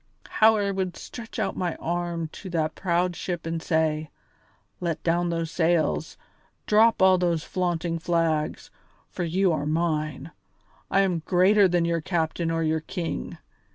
How I would stretch out my arm to that proud ship and say: 'Let down those sails, drop all those flaunting flags, for you are mine; I am greater than your captain or your king!